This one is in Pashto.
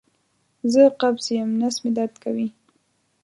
زه قبض یم نس مې درد کوي